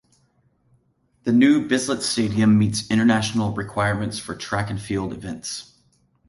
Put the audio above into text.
The New Bislett Stadium meets international requirements for track and field events.